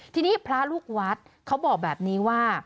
ทีนี้พระลูกวัดเขาบอกแบบนี้ว่า